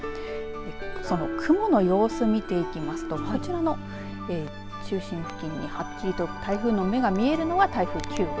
その雲の様子、見ていきますとこちらの中心付近にはっきりと台風の目が見えるのは台風９号。